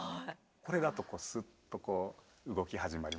これだとスッと動き始まりますよね。